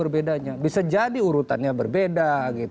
bisa jadi urutannya berbeda